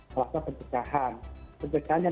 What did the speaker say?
maksudnya pencegahan pencegahan yang